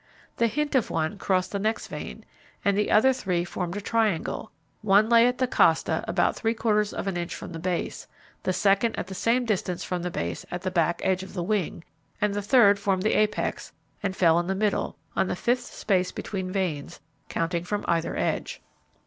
The hint of one crossed the next vein, and the other three formed a triangle; one lay at the costa about three quarters of an inch from the base, the second at the same distance from the base at the back edge of the wing, and the third formed the apex, and fell in the middle, on the fifth space between veins, counting from either edge.